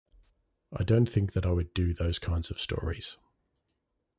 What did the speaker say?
I don't think that I would do those kinds of stories.